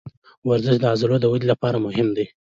ورزش د عضلو د ودې لپاره مهم دی.